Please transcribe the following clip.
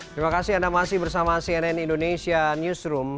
terima kasih anda masih bersama cnn indonesia newsroom